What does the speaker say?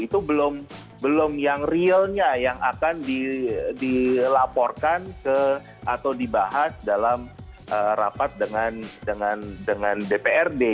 itu belum yang realnya yang akan dilaporkan ke atau dibahas dalam rapat dengan dprd